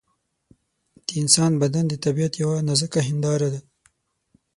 د انسان بدن د طبیعت یوه نازکه هنداره ده.